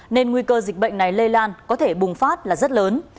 nên nguy cơ dịch bệnh này lây lan có thể bùng phát là rất lớn